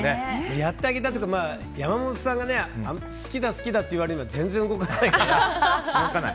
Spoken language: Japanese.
やってたというか、山本さんが好きだ、好きだと言っても全然、動かないから。